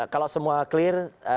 kalau semua clear